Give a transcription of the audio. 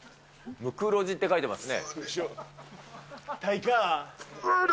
ムクロジって書いてますね。